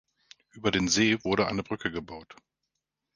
Über den See wurde eine Brücke gebaut.